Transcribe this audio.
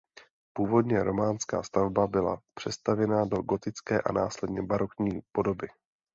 Původně románská stavba byla přestavěna do gotické a následně barokní podoby.